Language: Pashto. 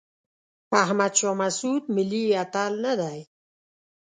احمد شاه مسعود ملي اتل نه دی.